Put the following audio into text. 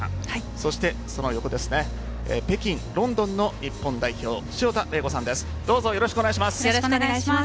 その横北京、ロンドンの日本代表潮田玲子さんです。